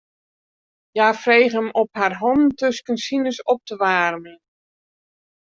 Hja frege him om har hannen tusken sines op te waarmjen.